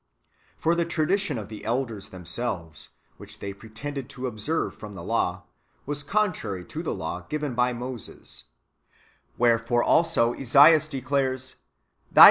For the tradition of the elders themselves, which they pretended to observe from the law, was contrary to the law given by Moses, Wherefore also Esaias declares :" Thy Book iv.